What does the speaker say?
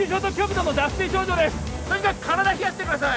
とにかく体冷やしてください